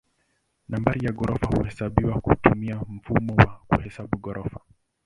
Nambari ya ghorofa huhesabiwa kutumia mfumo wa kuhesabu ghorofa.